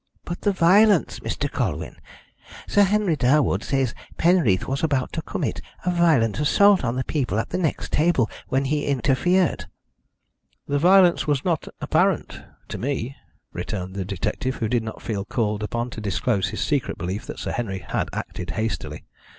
"But the violence, Mr. Colwyn! Sir Henry Durwood says Penreath was about to commit a violent assault on the people at the next table when he interfered." "The violence was not apparent to me," returned the detective, who did not feel called upon to disclose his secret belief that Sir Henry had acted hastily.